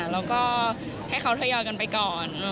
แล้วก็ให้เขาทยอยกันไปก่อน